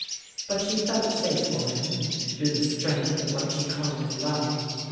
But she felt safe for him through the strength of what she called her love.